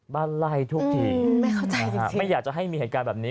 บ้านไร้ทุกทีอืมไม่เข้าใจจริงจริงไม่อยากจะให้มีเหตุการณ์แบบนี้